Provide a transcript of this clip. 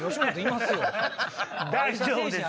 大丈夫です！